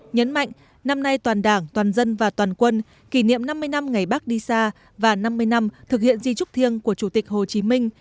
nhấn mạnh năm nay toàn đảng toàn dân và toàn quân kỷ niệm năm mươi năm ngày bác đi xa và năm mươi năm thực hiện di trúc thiêng của chủ tịch hồ chí minh